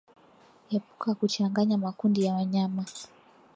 Epuka kuchanganya makundi ya wanyama